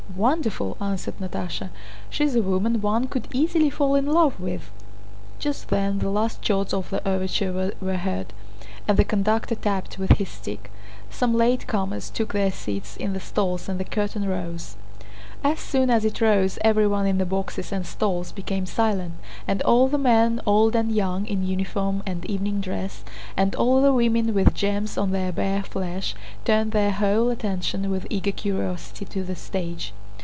"Wonderful!" answered Natásha. "She's a woman one could easily fall in love with." Just then the last chords of the overture were heard and the conductor tapped with his stick. Some latecomers took their seats in the stalls, and the curtain rose. As soon as it rose everyone in the boxes and stalls became silent, and all the men, old and young, in uniform and evening dress, and all the women with gems on their bare flesh, turned their whole attention with eager curiosity to the stage.